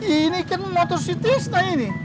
ini kan motor si tisna ini